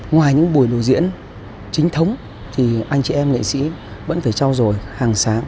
ngoài những buổi biểu diễn chính thống thì anh chị em nghệ sĩ vẫn phải trao dồi hàng sáng